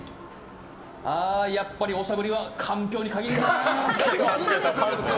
やっぱり、おしゃぶりはかんぴょうに限るな。